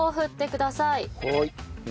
はい。